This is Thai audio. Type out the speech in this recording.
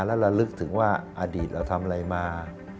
แล้วระลึกถึงว่าอดีตเราทำอะไรมา